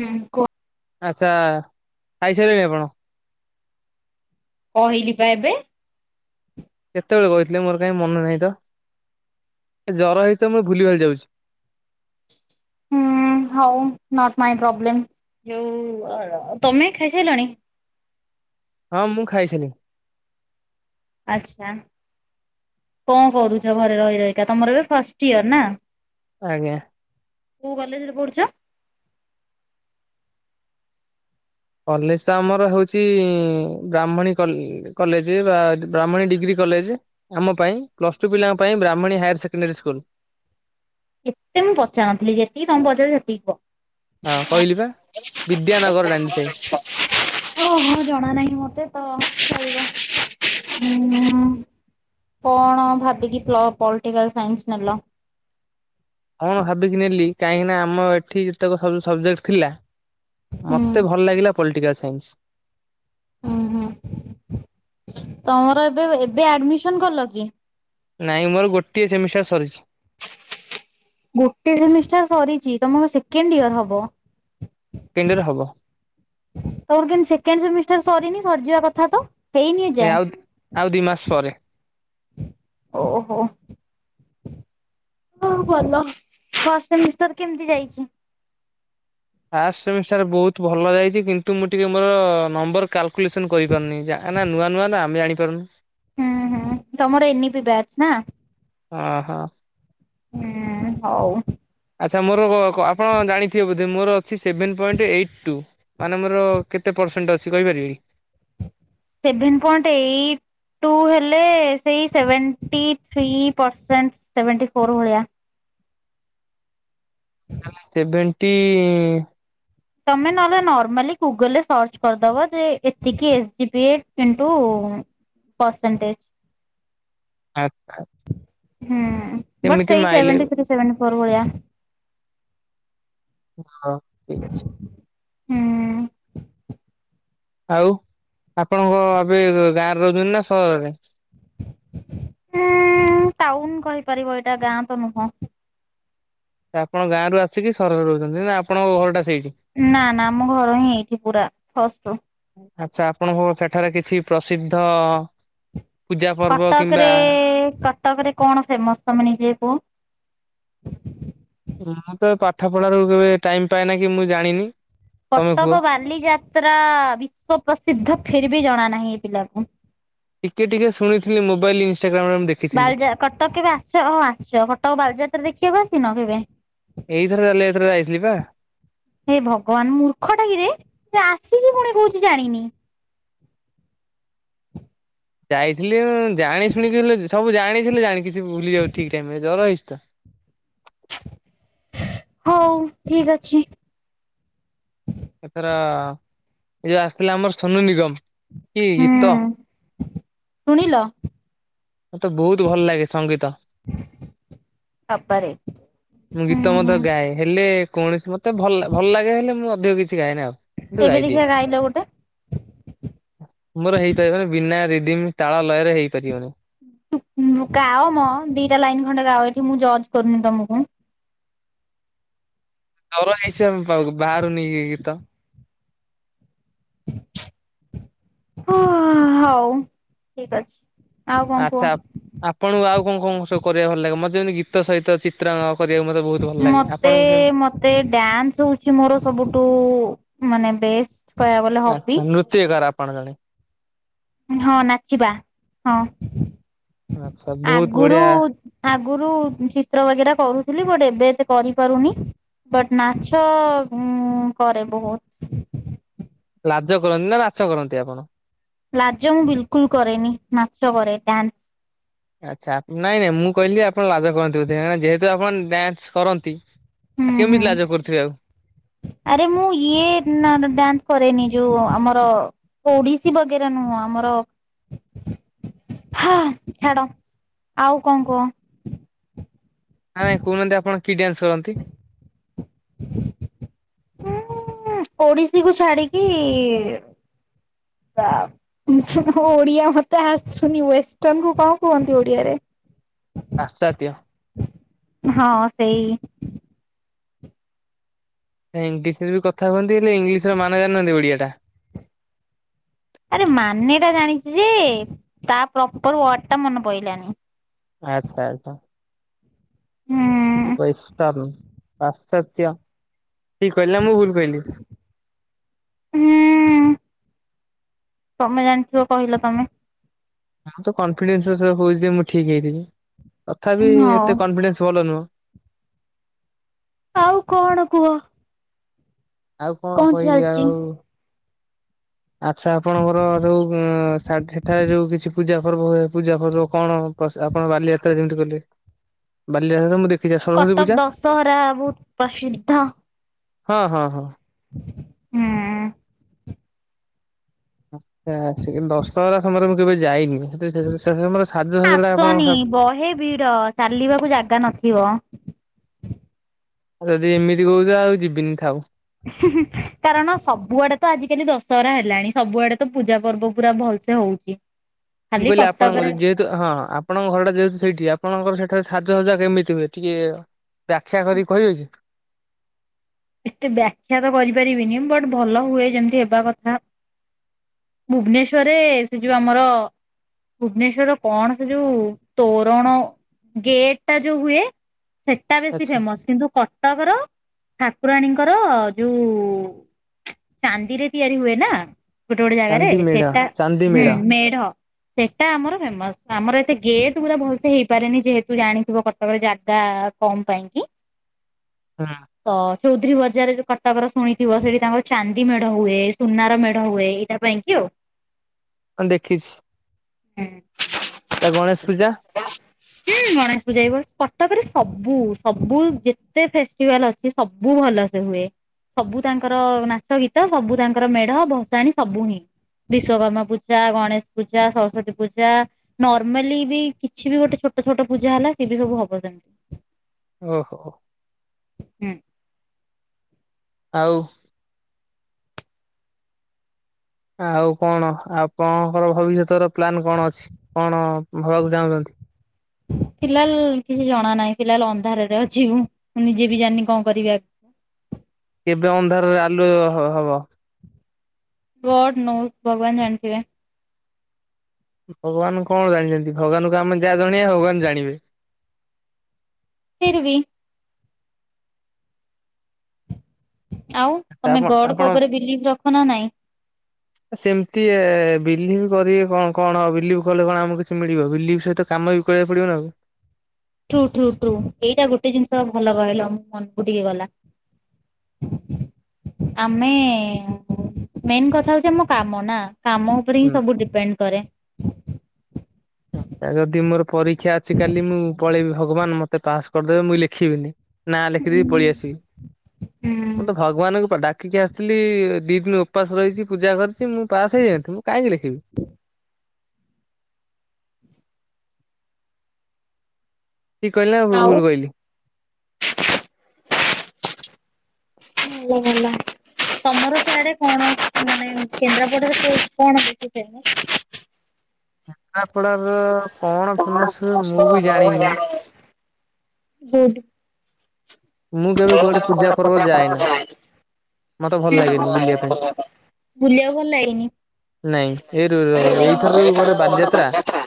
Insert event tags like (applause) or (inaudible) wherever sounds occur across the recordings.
ହୁଁ କୁହ। ଆଚ୍ଛା ଖାଇ ସାରିଲେଣି ଆପଣ? କହିଲି ବା ଏବେ! (inaudible) କେତେବେଳେ କହିଥିଲେ ମୋର କାହିଁ ମନେ ନାହିଁ ତ ଜୋର ହେଇଛି ତ ମୁଁ ଭୁଲିଭାଲି ଯାଉଛି। ହୁଁ ହଉ ନଟ୍ ମାଇ ପ୍ରୋବଲେମ୍ ତମେ ଖାଇସାରିଲଣି? ହଁ ମୁଁ ଖାଇସାଇଲିନି। ଆଚ୍ଛା। କଣ କରୁଛ ଘରେ ରହି ରହିକା ତମର ଏବେ ଫାଷ୍ଟ ଇୟର ନା? ଆଜ୍ଞା। କଉ କଲେଜ୍ ରେ ପଢ଼ୁଛ? କଲେଜ୍ ତ ଆମର ହଉଛି ବ୍ରାହ୍ମଣୀ କଲ କଲେଜ ବା ବ୍ରାହ୍ମଣୀ ଡିଗ୍ରୀ କଲେଜ। ଆମ ପାଇଁ ପ୍ଲସ୍ ଟୁ ପିଲାଙ୍କ ପାଇଁ ବ୍ରାହ୍ମଣୀ ହାୟର ସେକେଣ୍ଡାରୀ ସ୍କୁଲ। ଏତେ ମୁଁ ପଚାରୁନଥିଲି ଯେତିକି ତମକୁ ପଚାରୁଚି ସେତିକି କୁହ। ହଁ କହିଲି ବା ବିଦ୍ୟାନଗର ଡାଣ୍ଡି ସାହି। ଓହୋ ଜଣା ନାହିଁ ମତେ ତ ଚଳିବ। ହୁଁ (inaudible) କଣ ଭାବିକି ପ୍ଲ ପଲିଟିକାଲ୍ ସାଇନ୍ସ ନେଲ? କଣ ଭାବିକି ନେଲି କାହିଁକି ନା ଆମ ଏଠି ଯେତେକ ସବଜେକ୍ଟ ଥିଲା ହୁଁ। ମତେ ଭଲ ଲାଗିଲା ପଲିଟିକାଲ ସାଇନ୍ସ। ହୁଁ ହୁଁ ତମର ଏବେ ଏବେ ଆଡମିସନ୍ କଲ କି? ନାଇଁ ମୋର ଗୋଟିଏ ସେମିଷ୍ଟାର ସରିଛି। ଗୋଟେ ସେମିଷ୍ଟାର ସରିଛି ତମ କଣ ସେକେଣ୍ଡ ଇୟର ହବ? ସେକେଣ୍ଡ ୟେର ହବ। ତମର କେମିତି ସେକେଣ୍ଡ ସେମିଷ୍ଟାର ସରିନି ସରିଯିବା କଥା ତ? ହେଇନି ଏ ଆଉ ଆଉ ଦି ମାସ ଏଯାଏଁ। ପରେ। ଓହୋ। ହଉ ଭଲ ଫାର୍ଷ୍ଟ ସେମିଷ୍ଟାର୍ କେମିତି ଯାଇଛି? ଫାଷ୍ଟ ସେମିଷ୍ଟାର ବହୁତ ଭଲ ହେଇଛି। କିନ୍ତୁ ମୁଁ ଟିକେ ମୋର ନମ୍ବର କାଲକୁଲେସନ କରିପାରୁନି ଯା। ନା ନା ନୂଆ ନୂଆ ତ ଆମେ ଜାଣିପାରୁନୁ। ହୁଁ ହୁଁ ତମର ଏମିତି ବ୍ୟାଚ ନା? ଆ ହା ହୁଁ ହଉ। ଆଚ୍ଛା ମୋର କ ଆପଣ ଜାଣିଥିବେ ବୋଧେ ମୋର ଅଛି ସେଭେନ୍ ପଏଣ୍ଟ ଏଇଟ୍ ଟୁ, ମାନେ ମୋର କେତେ ପରସେଣ୍ଟ ଅଛି କହିପାରିବେ? ସେଭେନ୍ ପଏଣ୍ଟ ଏଇଟ୍ ଟୁ ହେଲେ ସେଇ seventy three percent, seventy four ଭଳିଆ। ତାଲେ ସେଭେଣ୍ଟି ତମେ ନହେଲେ ନର୍ମାଲି ଗୁଗଲରେ ସର୍ଚ୍ଚ କରିଦବ ଯେ ଏତିକି S G P into percentage. ଆଛା! ହୁଁ ବଟ୍ ସେଇ ମାଇଲେ ସେଭେଣ୍ଟି ଥ୍ରୀ ସେଭେଣ୍ଟି ଫୋର୍ ଭଳିଆ। ହଁ ଠିକ୍ ଅଛି। ହୁଁ! ଆଉ, ଆପଣଙ୍କ ଏବେ ଗାଁରେ ରହୁଛନ୍ତି ନା ସହରରେ? ହୁଁ ଟାଉନ କହିପାରିବ ଏଇଟା ଗାଁ ତ ନୁହଁ। ତ ଆପଣ ଗାଁ ରୁ ଆସିକି ସହରରେ ରହୁଛନ୍ତି। ନା ଆପଣଙ୍କ ଘରଟା ସେଇଠି? ନା ନା ଆମ ଘର ହିଁ ଏଇଠି ପୁରା ଫଷ୍ଟୁ ଆଚ୍ଛା ଆପଣଙ୍କୁ ସେଠାରେ କିଛି ପ୍ରସିଦ୍ଧ ପୂଜା ପର୍ବ କଟକରେ କିମ୍ବା କଟକରେ କଣ ଫେମସ ତମେ ନିଜେ କୁହ? ମୁଁ ତ, ପାଠ ପଢାରୁ କେବେ ଟାଇମ ପାଏନା କି ମୁଁ ଜାଣିନି। ତମେ କୁହ। କଟକ ବାଲିଯାତ୍ରା ବିଶ୍ୱ ପ୍ରସିଦ୍ଧ, ଫିର୍ ବି ଜଣା ନାହିଁ ଏ ପିଲାକୁ। ଟିକେ ଟିକେ ଶୁଣିଥିଲି, ମୋବାଇଲ ଇନଷ୍ଟାଗ୍ରାମରେ ମୁଦେ। ବାଲଯାତ କଟକ କେବେ ଆସ ଆସିଛ, ହଁ ଆସିଛ କଟକ ବାଲିଯାତ୍ରା ଦେଖିବାକୁ ଆସିନ କେବେ? ଏଇଥର ବାଲିଯାତ୍ରା ଯାଇଥିଲି ପା। ହେ ଭଗବାନ ମୂର୍ଖ ଟା କିରେ, ଆସିଛି ପୁଣି କହୁଛି ଜାଣିନି। ଯାଇଥିଲି ଜାଣି ଶୁଣିକି ସବୁ ଜାଣିଥିଲେ, ଜାଣିି ଭୁଲି ଯାଉ ଠିକ ଟାଇମ ରେ ଜର ହେଇଛି ତ। ହଉ ଠିକ ଅଛି। ଏଥର ଏ ଜୋଉ ଆସିଥିଲା ଆମର ସୋନୁ ନିଗମ କି ଗୀତ। ହୁଁ ଶୁଣିଲ? ମତେ ବହୁତ ଭଲ ଲାଗେ ସଙ୍ଗୀତ। ବାବାରେ ମୁଁ ହୁଁ ଗୀତ ହୁଁ ମଧ୍ୟ ଗାଏ, ହେଲେ କୌଣସି ମତେ ଭଲ ଭଲ ଲାଗେ ହେଲେ ମୁଁ ଅଧିକ କିଛି ଗାଏନି ଆଉ। କିନ୍ତୁ ଏବେ ଗାଇଦିଏ ଦେଖିବା ଗାଇଲ ଗୋଟେ? ମୋର ହେଇପାରିବନି ବିନା ରିଡିମ ତାଳ ଲୟ ରେ ହେଇପାରିବନି। ଗାଅ ମ ଦିଟା ଲାଇନ୍ ଖଣ୍ଡେ ଗାଅ ଏଠି ମୁଁ ଜଜ କରୁନି ତମୁକୁ। (unintelligible) ବାହାରୁନି ଗୀତ। ହଁ, ହଉ ଠିକ ଅଛି। ଆଉ କଣ କୁହ? ଆଚ୍ଛା, ଆପଣଙ୍କୁ ଆଉ କଣ କଣ ସବୁ କରିବାକୁ ଭଲ ଲାଗେ। ମତେ ଯେମିତି ଗୀତ ସହିତ ଚିତ୍ର କରିବାକୁ ମୋତେ ବହୁତ ଭଲ ଲାଗେ। ଆପଣଙ୍କୁ ସେମିତି? ମୋତେ ଡ୍ୟାନ୍ସ ହଉଛି ମୋର ସବୁଠୁ ମାନେ ବେ ଆଚ୍ଛା ନୃତ୍ୟକାର ଆପଣ ତାହାଲେ। ହଁ ନାଚିବା, ହଁ ଆଚ୍ଛା ବହୁତ ଆଗୁରୁ ବଢିଆ ଆଗରୁ ଚିତ୍ର ବଗେରା କରୁଥିଲି, ବଟ ଏବେ ଏତ କରିପାରୁନି। ବଟ୍ ନାଛ ମୁଁ କରେ ବହୁତ୍। ଲାଜ କରନ୍ତିନା ନାଚ କରନ୍ତି ଆପଣ? ଲାଜ ମୁଁ ବିଲକୁଲ୍ କରେନି ନାଚ କରେ ଡ୍ୟାନ୍ସ। ଆଚ୍ଛା ନାଇଁ ନାଇଁ ମୁଁ କହିଲି ଆପଣ ଲାଜ କରନ୍ତି ବୋଧେ ଯେହେତୁ ଆପଣ ଡ୍ୟାନ୍ସ କରନ୍ତି। ଆଉ ହୁଁ କେମିତି ହୁଁ। ଲାଜ କରୁଥିବେ ଆଉ। ଆରେ ମୁଁ ଇଏ ଡ୍ୟାନ୍ସ କରେନି ଯୋଉ ଆମର ଓଡ଼ିଶୀ ବଗେରା ନୁହଁ ଆମର ହଁ ଛାଡ଼ ଆଉ କଣ କୁହ? ନାଇଁ କହୁନାହାନ୍ତି ଆପଣ କି ଡ୍ୟାନ୍ସ କରନ୍ତି? ଉଁ ଓଡ଼ିଶୀକୁ ଛାଡ଼ିକି (unintelligible) ଓଡ଼ିଆ ମତେ ଆସୁନି ୱେଷ୍ଟର୍ଣ କୁ କଁ କୁହନ୍ତି ଓଡ଼ିଆରେ? ପାସାଦ୍ୟ। ହଁ ସେଇ ଇଂଲିଶରେବି କଥା ହୁଅନ୍ତି ହେଲେ ଇଂଲିଶର ମାନ ଜାଣିନାହାନ୍ତି ଓଡ଼ିଆଟା? ଆରେ ମାନେଟା ଜାଣିଚିଯେ ତା ପ୍ରପର ୱାର୍ଡଟା ମନେ ପଇଲାନି। ଆଚ୍ଛା ଆଚ୍ଛା। ହଁ। (unintelligible) ପାଶ୍ଚାତ୍ୟ ଠିକ୍ କହିଲା ମୁଁ ଭୁଲ କହିଲ? ହୁଁ ତମେ ଜାଣିଥିବ କହିଲ ତମେ? ମୁଁତ କନଫିଡେନ୍ସ କଉଚିଯେ ମୁଁ ଠିକ୍ ହେଇଥିବି ତଥାପି ହଉ ଏତେ କନଫିଡେନ୍ସ ଭଲ ନୁହଁ। ଆଉ କଣ କୁହ? ଆଉ କଣ କହିବି ଆଉ ଆଚ୍ଛା ଆପଣଙ୍କର ଯୋଉ ସେଠାରେ ଯୋଉ କିଛି ପୂଜା ପର୍ବ ହୁଏ ପୂଜା ପର୍ବ କଣ ଆପଣ ବାଲିଯାତ୍ରା ଯେମିତି କଲେ ବାଲିଯାତ୍ରା ମୁଁ ଦେଖି କଟକ ଦଶହରା ବହୁତ୍ ପ୍ରସିଦ୍ଧ। ହଁ ହଁ ହଁ। ହୁଁ। ଆଚ୍ଛା ଆକ୍ଚୁଲି ଦଶହରା ସମୟରେ ମୁଁ କେବେ ଯାଇନି ସେ ସମୟ ସାଜସଜଟା ଆସନି ଆପଣ ବହେ ଭି ଡ଼ ଚାଲିବାକୁ ଜାଗା ନଥିବ। ଆଉ ଯଦି ଏମିତି କହୁଚ ଆଉ ଯିବିନି ଥାଉ। କାରଣ ସବୁଆଡ଼େତ ଆଜିିକାଲି ଦଶହରା ହେଲାଣି ସବୁଆଡ଼େତ ପୂଜା ପର୍ବ ପୁରା ଭଲସେ ହଉଚି। (unintelligible) ମୁଁ କହିଲି ଆପଣଙ୍କ ଯେ ହଁ ହଁ ଆପଣଙ୍କ ଘରଟା ଯେହେତୁ ସେଇଠି ଆପଣଙ୍କର ସେଠାରେ ସାଜସଜା କେମିତି ହୁଏ ଟିକେ ବ୍ଯାଖ୍ୟା କରିକି କହିବେକି? ଏତେ ବ୍ୟାଖ୍ୟାତ କରିପାରିବିନି ବଟ୍ ଭଲ ହୁଏ ଯେମିତି ହେବା କଥା ଭୁବନେଶ୍ୱରରେ ସେଯୋଉ ଆମର ଭୁବନେଶ୍ବରର କଣ ସେଯୋଉ ତୋରଣ ଗେଟଟା ଯୋଉ ହୁଏ ସେଟା ବେଶୀ ଆଚ୍ଛା ଫେମସ୍ କିନ୍ତୁ କଟକର ଠାକୁରାଣୀଙ୍କର ଯୋଉ ଚାନ୍ଦିରେ ତିଆରି ହୁଏନା ଗୋଟେ ଗୋଟେ ଜାଗାରେ ଚାନ୍ଦି ମେଢ ସେଟା ଚାନ୍ଦି ହୁଁ ମେଢ ମେଢ଼ ସେଇଟା ଆମର ଫେମସ୍ ଆମର ଏତେ ଗେଟ୍ ଗୁରା ଭଲସେ ହେଇପାରେନି ଯେହେତୁ ଜାଣିଥିବ କଟକରେ ଜାଗା କମ୍ ପାଇଁକି ହୁଁ। ତ ଚୌଧୁରୀ ବଜାରେ ଯୋଉ କଟକର ଶୁଣିଥିବ ସେଠି ତାଙ୍କର ଚାନ୍ଦି ମେଢ ହୁଏ ସୁନାର ମେଢ ହୁଏ ଏଇଟା ବେଇଙ୍କି ଆଉ। ହଁ ଦେଖିଛି। ହୁଁ। ତା ଗଣେଶ୍ ପୂଜା? ହୁଁ ଗଣେଶ୍ ପୂଜା ବି ବସ୍ କଟକରେ ସବୁ ସବୁ ଯେତେ ଫେଷ୍ଟିଭାଲ ଅ ସେ ସବୁ ଭଲ ସେ ହୁଏ। ସବୁ ତାଙ୍କର ନାଚ ଗୀତ ସବୁ ତାଙ୍କର ମେଢ ଭସାଣିୀ ସବୁ ହିଁ। ବିଶ୍ଵକର୍ମା ପୂଜା, ଗଣେଶ ପୂଜା, ସରସ୍ଵତୀ ପୂଜା ନର୍ମାଲି ବି କିଛି ବି ଗୋଟେ ଛୋଟ ଛୋଟ ପୂଜା ହେଲା ସିଏ ବି ସବୁ ହବ ତାଙ୍କର। ଓହୋ। ହୁଁ। ଆଉ ଆଉ କଣ ଆପଣଙ୍କର ଭବିଷ୍ୟତର ପ୍ଲାନ୍ କଣ ଅଛି କଣ ହବାକୁ ଚାହୁଁଛନ୍ତି? ଫିଲହାଲ୍ କିଛି ଜଣା ନାହିଁ ଫିଲହାଲ୍ ଅନ୍ଧାରରେ ଅଛିି ମୁଁ ମୁଁ ନିଜେ ବି ଜାଣିନି କଁ କରିବି ଆଗ କେବେ ଅନ୍ଧାରରେ ଆଲୁଅ ହ ହବ? ଗଡ୍ ନୋଜ୍ ଭଗବାନ ଜାଣିଥିବେ। ଭଗବାନ କଣ ଜାଣିଛନ୍ତି ଭଗବାନଙ୍କୁ ଆମେ ଯାହା ଜଣେଇବା ଭଗବାନ ଜାଣିବେ। ଫିର୍ ବି। ଆଉ ତମେ ଆପଣ ଗଡ୍ ଙ୍କ ଆପଣ ଓପରେ ବିଲିଭ୍ ରଖ ନା ନାଇଁ? ଏ ସେମ୍ତି ଏ ବିଲିଭ୍ କରିବେ କଁ କଣ ଆଉ ବିଲିଭ୍ କଲେ କଣ ଆମୁକୁ କିଛି ମିଳିବ ବିଲିଭ୍ ସହିତ କାମ ବି କରିବାକୁ ପଡିବନା ଆଉ। ଟ୍ରୁ ଟ୍ରୁ ଟ୍ରୁ ଏଇଟା ଗୋଟେ ଜିନ୍ଷ ଭଲ କହିଲ ମୋ ମନ୍ କୁ ଟିକେ ଗଲା। ଆମେ ମେନ୍ କଥା ହୋଉଛି ଆମ କାମ ନା କାମ ଉ ଉପରେ ହିଁ ହୁଁ। ସବୁ ଡିପେଣ୍ଡ କରେ। ଏଅଁ ତା ଯଦି ମୋର ପରୀକ୍ଷା ଅଛି କାଲି ମୁଁ ପଳେଇବି ଭଗବାନ ମତେ ପାସ୍ କରିଦେବେ ମୁଇଁ ଲେଖିବିିନି। ନାଁ ଲେଖିଦେଇକି ପଳିଆସିବି। ହୁଁ ମୁଁ ତ ଭଗବାନଙ୍କୁ ପା ଡାକିକି ଆସିଥିଲି ଦି ଦିନି ଉପାସ ରହିଛି ପୂଜା କରିଛି ମୁଁ ପାସ୍ ହେଇ ଯାଇନଥାନ୍ତି ମୁଁ। କଇଁକି ଲେଖିବି? ଠିକ୍ କଇଲି ନା ଭୁ ଆଉ ଭୁଲ୍ କଇଲି? ଭଲ ଭଲ। ତମର ସିଆଡେ କଣ ମାନେ କେନ୍ଦ୍ରାପଡ଼ାରେ କୋଉ କଣ ପାଇଁକି ଫେମସ୍? କେନ୍ଦ୍ରାପଡାର କଣ ଫେମସ ମୁଁ ବି ଜାଣିନି। ହେ ଡୁ ମୁଁ କେବେ କୁଆଡେ ପୂଜା ପର୍ବ ଯାଏନା (inaudible) ମତେ ଭଲ ଲାଗେନି ବୁଲିବା ପାଇଁ ବୁଲିଆକୁ ଭଲ୍ ଲାଗେନି? ନାଇଁ ଏଇ ରୁ ର ଏଇଥର ଯୋଉ ଗୋଲେ ବାଲିଯାତ୍ରା? ବୋରିଂ।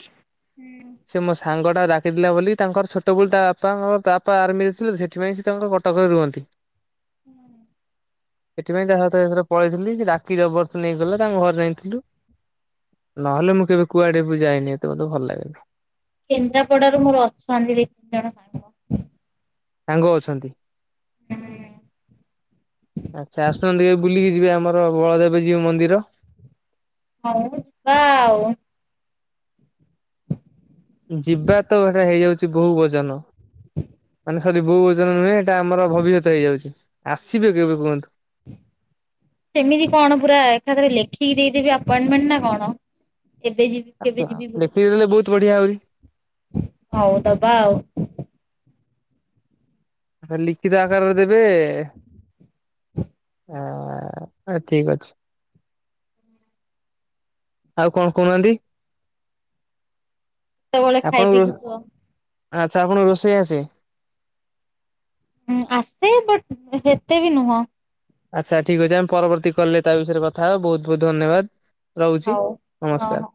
ହୁଁ। ସେ ମୋ ସାଙ୍ଗଟା ଡାକିଥିଲା ବୋଲି ତାଙ୍କର ଛୋଟବେଳୁ ତା ବାପା ଫାପା ତା ବାପା ଆର୍ମିରେ ଥିଲେ ତ ସେଥିପାଇଁ ସେ ତାଙ୍କ କଟକରେ ରୁହନ୍ତି। ହୁଁ। ସେଥିପାଇଁ ତା ହାତରେ ଏଥର ପଳେଇଥିଲି ସେ ରାତିରେ ବର୍ଷ ନେଇକିଗଲା ତାଙ୍କ ଘରେ ଯାଇଁକି ଥିଲୁ। ନହେଲେ ମୁଁ କେବେ କୁଆଡେ ବି ଯାଇନି ଏତେ ମତେ ଭଲ୍ ଲାଗେନା। କେନ୍ଦ୍ରାପଡାରୁ ମୋର ଅଛନ୍ତି ଦି ତିନି ଜଣ ସାଙ୍ଗ। ସାଙ୍ଗ ଅଛନ୍ତି? ହୁଁ ଆଚ୍ଛା ଆସୁନାନ୍ତି କେବେ ବୁଲିକି ଯିବେ ଆମର ବଳଦେବଜୀଉ ମନ୍ଦିର? ହଉ ଆଉ। ଯିବା ତ ଏଟା ହେଇଯାଉଛି ବହୁ ଓଜନ। ମାନେ ସରି ବୋଉ ଓଜନ ନୁହେଁ ଏଇଟା ଆମର ଭବିଷ୍ୟତ ହେଇଯାଉଛି ଆସିବେ କେବେ କୁହନ୍ତୁ? ସେମିତି କଣ ପୁରା ଏକାଥରେ ଲେଖିକି ଦେଇଦେବି ଆପଏଣ୍ଟମେଣ୍ଟ ନା କଣ? ଏବେ ଯିବି। କେବେ ଆଛା ଯିବି ବୋଲି ଦେଖି ଦେଲେ ବହୁତ ବଢିଆ ଆହୁରି। ହଉ ଦବା ଆଉ। ଲିଖିତ ଆକାରରେ ଦେବେ। ହଁ ନାଇଁ ଠିକ ଅଛି। ଆଉ କଣ କହୁନାହାନ୍ତି? ସେତେବେଳେ ଖାଇ ଆପଣଙ୍କୁ ପିଇକି ଶୁଅ। ଆଚ୍ଛା ଆପଣଙ୍କୁ ରୋଷେଇ ଆସେ? ହୁଁ ଆସେ ବଟ ଏତେ ବି ନୁହଁ। ଆଚ୍ଛା ଠିକ୍ ଅଛି ଆମେ ପରବର୍ତ୍ତୀ କଲ୍ ରେ ତା ବିଷୟରେ କଥା ହବା ବହୁ ବହୁତ ଧନ୍ୟବାଦ। ରହୁଛି ହଉ ହଁ ହଁ। ନମସ୍କାର।